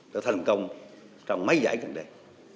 đã thành công trong mấy giải gần đây